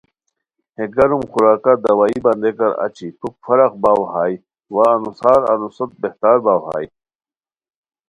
ہے گرم خوراکہ دوائی بندئیکار اچی پُھک فرق باؤ ہائے وا انوسار انوسوت بہتر باؤ ہائے